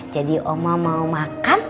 jadi om mau makan